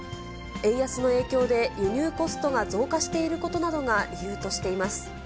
円安の影響で輸入コストが増加していることなどが理由としています。